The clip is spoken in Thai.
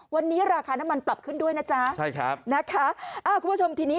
วันนี้ราคาน้ำมันปรับขึ้นด้วยนะจ๊ะใช่ครับนะคะอ่าคุณผู้ชมทีนี้